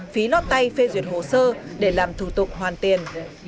phí lót tay phê duyệt hồ sơ để làm thủ tục hoàn tiền